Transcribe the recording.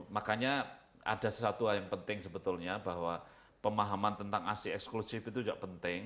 makanya ada sesuatu hal yang penting sebetulnya bahwa pemahaman tentang asi eksklusif itu juga penting